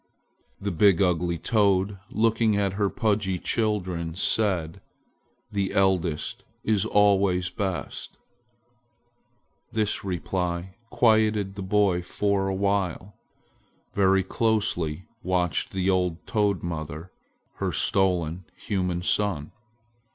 The big, ugly toad, looking at her pudgy children, said: "The eldest is always best." This reply quieted the boy for a while. Very closely watched the old toad mother her stolen human son.